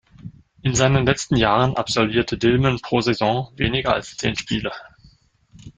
In seinen letzten Jahren absolvierte Dilmen pro Saison weniger als zehn Spiele.